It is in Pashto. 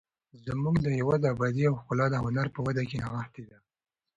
زموږ د هېواد ابادي او ښکلا د هنر په وده کې نغښتې ده.